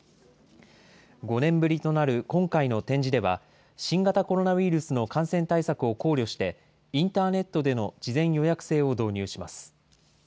５年ぶりとなる今回の展示では、新型コロナウイルスの感染対策を考慮して、インターネットでの事前予約制を導入します。